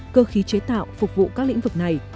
cơ khí chế tạo phục vụ các lĩnh vực này